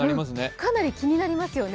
かなり気になりますよね。